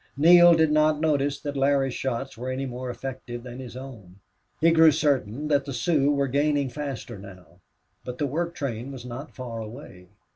Neale did not notice that Larry's shots were any more effective than his own. He grew certain that the Sioux were gaining faster now. But the work train was not far away.